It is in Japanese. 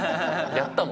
やったもん。